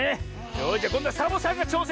よしじゃこんどはサボさんがちょうせんするぜえ！